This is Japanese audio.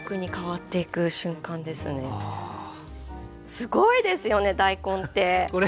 すごいですよね大根って。